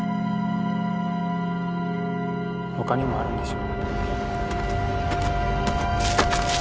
他にもあるんでしょ？